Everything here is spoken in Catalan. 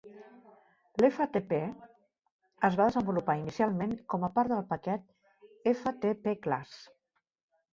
Lftp es va desenvolupar inicialment com a part del paquet de ftpclass.